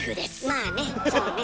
まあねそうね。